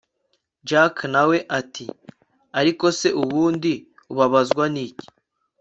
jack nawe ati ariko se ubundi ubabazwa niki